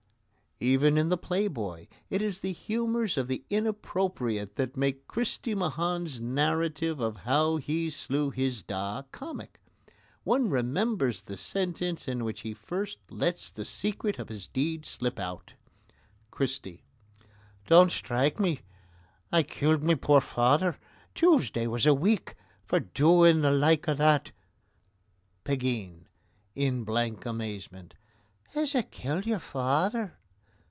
Even in The Playboy it is the humours of the inappropriate that make Christy Mahon's narrative of how he slew his da comic. One remembers the sentence in which he first lets the secret of his deed slip out: CHRISTY: Don't strike me. I killed my poor father, Tuesday was a week, for doing the like of that. PEGEEN (in blank amazement): Is it killed your father?